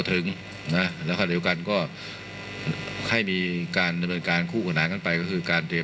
ทรงมีลายพระราชกระแสรับสั่งให้กลับสู่ภาคใต้